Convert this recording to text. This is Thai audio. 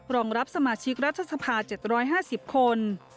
รองรับสมาชิกรัฐสภา๗๕๐คน